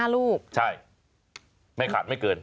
๕ลูกใช่ไม่ขาดไม่เกิน